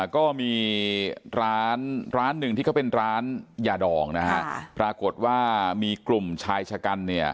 ก็มีร้าน๑ที่เป็นร้านยาดองพรากดว่ามีกลุ่มชายฉกัน